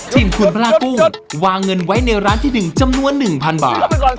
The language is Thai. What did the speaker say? ที่ขุมพลากุ้งวางเงินไว้ในร้านที่หนึ่งจำนวน๑๐๐๐บาท